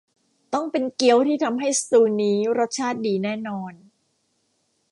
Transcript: ต้องเป็นเกี๊ยวที่ทำให้สตูว์นี้รสชาติดีแน่นอน